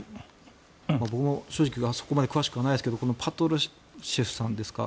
僕も正直そこまで詳しくないですがこのパトルシェフさんですか。